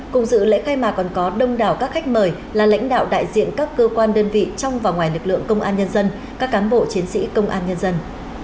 cùng dự lễ khai mạc còn có đông đảo các khách mời là lãnh đạo đại diện các cơ quan đơn vị trong và ngoài lực lượng công an nhân dân các cán bộ chiến sĩ công an nhân dân